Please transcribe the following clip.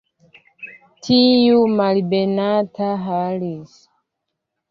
Tiu malbenata Harris!